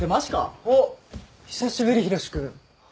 おっ久しぶり浩志君。